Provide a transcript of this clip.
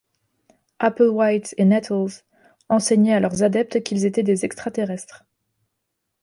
Applewhite et Nettles enseignaient à leurs adeptes qu'ils étaient des extraterrestres.